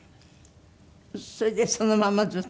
それでそのままずっと。